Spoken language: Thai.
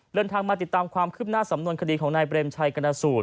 เดินทางมาติดตามความคืบหน้าสำนวนคดีของนายเบรมชัยกรณสูตร